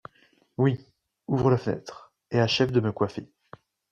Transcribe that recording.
Oui… ouvre la fenêtre… et achève de me coiffer.